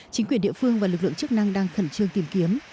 chính quyền địa phương và lực lượng chức năng đang khẩn trương tìm kiếm